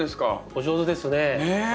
お上手ですね。